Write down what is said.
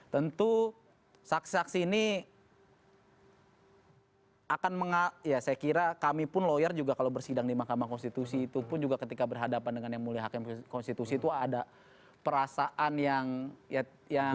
tentu saksi saksi ini akan menga ya saya kira kami pun lawyer juga kalau bersidang di mahkamah konstitusi itu pun juga ketika berhadapan dengan yang mulia hakim konstitusi itu ada perasaan yang ya